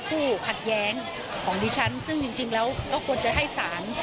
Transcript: ผู้ขัดแย้งของดิฉันซึ่งจริงแล้วก็ควรจะให้สาร